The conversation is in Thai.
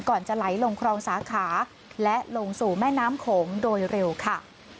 จะไหลลงครองสาขาและลงสู่แม่น้ำโขงโดยเร็วค่ะ